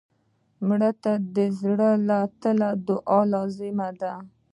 مړه ته د زړه له تله دعا لازم ده